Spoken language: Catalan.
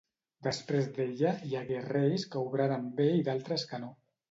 Després d'ella, hi hagué reis que obraren bé i d'altres que no.